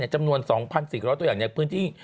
จำนวน๒๔๐๐ตัวอย่างในพื้นที่